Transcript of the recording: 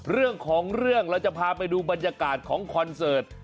เรื่องของเรื่องเราจะพาไปดูบรรยากาศของคอนเสิร์ต